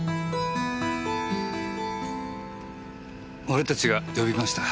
俺たちが呼びました。